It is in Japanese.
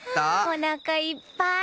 おなかいっぱい。